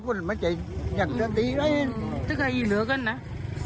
จนกระอีเหลือกันนะ